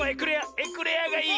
エクレアがいい！